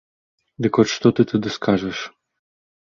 Дык от што ты тады скажаш?